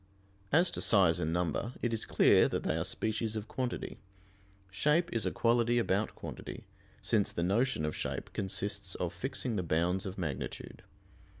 As to size and number, it is clear that they are species of quantity. Shape is a quality about quantity, since the notion of shape consists of fixing the bounds of magnitude.